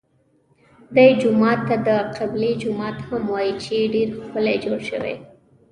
دې جومات ته د قبلې جومات هم وایي چې ډېر ښکلی جوړ شوی.